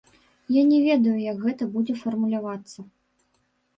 Я не ведаю, як гэта будзе фармулявацца.